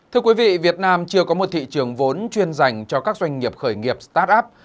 thưa quý vị việt nam chưa có một thị trường vốn chuyên dành cho các doanh nghiệp khởi nghiệp start up